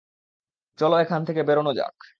চলো, এখান থেকে বেরানো যাক।